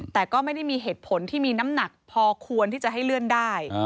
แต่ก็ไม่ได้มีเหตุผลที่มีน้ำหนักพอควรที่จะให้เลื่อนได้